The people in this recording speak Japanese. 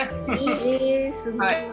へえすごい。